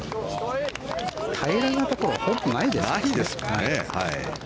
平らなところはほぼないですね。